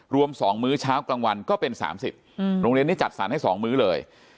รวม๒มื้อเช้ากลางวันก็เป็น๓๐โรงเรียนนี้จัดสรรให้๒มื้อเลย